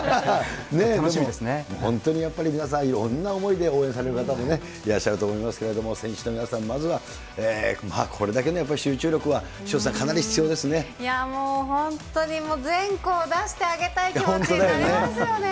楽しみで本当にやっぱり皆さん、いろんな思いで応援される方もね、いらっしゃると思いますけれども、選手の皆さん、まずは、これだけのやっぱり集中力は、潮田さん、いやー、もう本当に全校出してあげたい気持ちになりますよね。